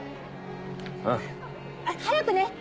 あっ早くね！